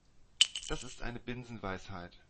Das ist eine Binsenweisheit.